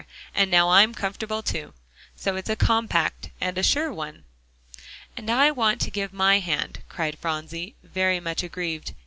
and now I'm comfortable too! So it's a compact, and a sure one!" "And I want to give my hand," cried Phronsie, very much aggrieved.